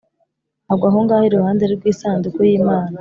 agwa aho ngaho iruhande rw’isanduku y’Imana.